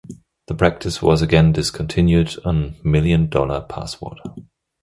The practice was again discontinued on Million Dollar Password.